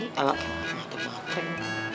kalau kayaknya nggak terpengen